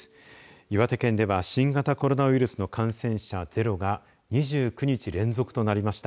岩手県では新型コロナウイルスの感染者ゼロが２９日連続となりました。